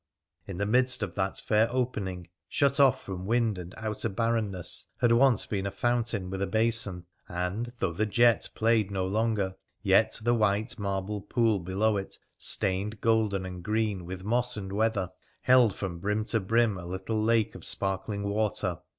In the midst of that fair opening, shut off from wind and outer barrenness, had once been a fountain with a basin, and, though the jet played no longer, yet the white marble pool below it, stained golden and green with moss and weather, held from brim to brim a little lake of sparkling water.